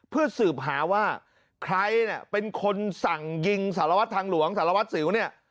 เพื่อสืบหาว่าใครเนี่ยเป็นคนสั่งยิงสารวัตรทางหลวงสารวัตรสิวเนี่ย